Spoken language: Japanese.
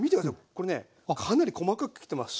これねかなり細かく切ってます。